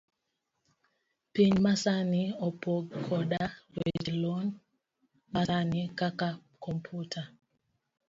Piny masani opong' koda weche lony masani, kaka komputa.